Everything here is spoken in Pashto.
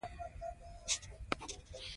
دوی د پیسو لپاره هر څه کوي.